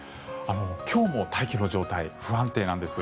今日も大気の状態不安定なんです。